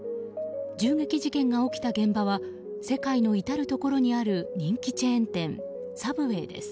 銃撃事件が起きた現場は世界の至るところにある人気チェーン店、サブウェイです。